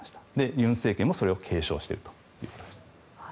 尹政権もそれを継承しているということです。